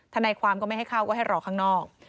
ทนายความก็ไม่ให้เข้าก็ให้รอข้างนอก